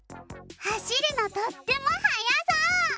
はしるのとってもはやそう！